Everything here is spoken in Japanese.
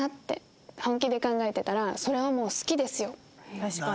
確かに。